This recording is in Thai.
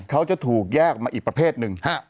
เขาจะถูกแยกออกมาอีกประเภทหนึ่ง